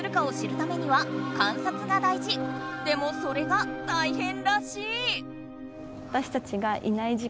でもそれが大変らしい！